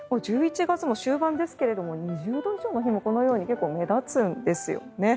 １１月も終盤ですが２０度以上の日もこのように目立つんですよね。